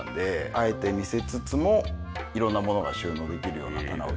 あえて見せつつも色んなものが収納できるような棚をずっとはい。